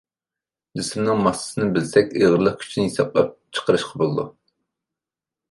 جىسىمنىڭ ماسسىسىنى بىلسەك ئېغىرلىق كۈچىنى ھېسابلاپ چىقىرىشقا بولىدۇ.